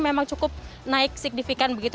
memang cukup naik signifikan begitu